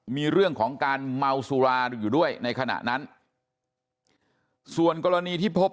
มีเรื่องของการเมาสุราอยู่ด้วยในขณะนั้นส่วนกรณีที่พบ